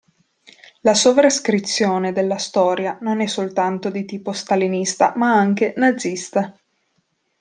La sovrascrizione della storia non è soltanto di tipo stalinista ma anche nazista.